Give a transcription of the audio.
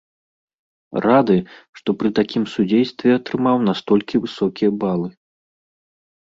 Рады, што пры такім судзействе атрымаў настолькі высокія балы.